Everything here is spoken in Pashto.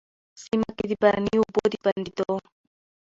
سيمه کي د باراني اوبو د بندېدو،